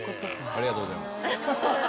ありがとうございます。